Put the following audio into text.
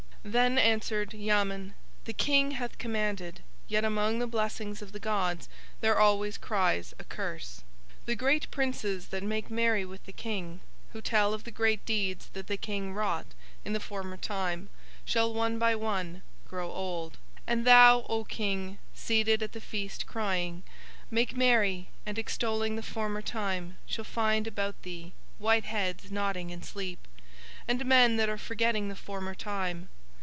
Then answered Yamen: "The King hath commanded, yet among the blessings of the gods there always cries a curse. The great princes that make merry with the King, who tell of the great deeds that the King wrought in the former time, shall one by one grow old. And thou, O King, seated at the feast crying, 'make merry' and extolling the former time shall find about thee white heads nodding in sleep, and men that are forgetting the former time.